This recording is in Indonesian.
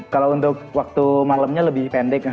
kalau untuk waktu malamnya lebih pendek